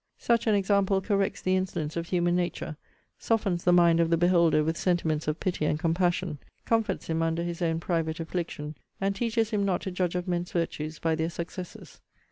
Such an example corrects the insolence of human nature, softens the mind of the beholder with sentiments of pity and compassion, comforts him under his own private affliction, and teaches him not to judge of men's virtues by their successes.